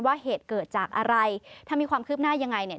เหตุเกิดจากอะไรถ้ามีความคืบหน้ายังไงเนี่ย